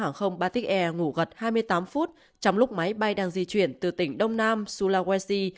hàng không batite air ngủ gật hai mươi tám phút trong lúc máy bay đang di chuyển từ tỉnh đông nam sulawesi